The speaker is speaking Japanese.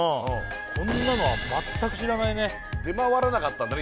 こんなのは全く知らないね出回らなかったんだね